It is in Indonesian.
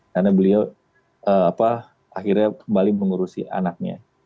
karena beliau akhirnya kembali mengurusi anaknya